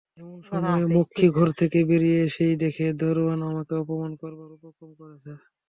এমন সময়ে মক্ষী ঘর থেকে বেরিয়ে এসেই দেখে দরোয়ান আমাকে অপমান করবার উপক্রম করছে।